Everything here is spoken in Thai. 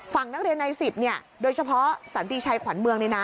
ฝั่งนักเรียนใน๑๐โดยเฉพาะสันติชัยขวัญเมือง